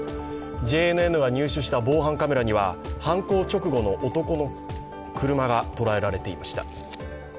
ＪＮＮが入手した防犯カメラには犯行直後の男の車が捉えられていました。